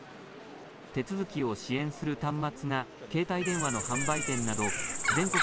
手続きを支援する端末が携帯電話の販売店など全国